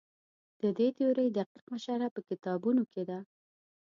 د دې تیورۍ دقیقه شرحه په کتابونو کې ده.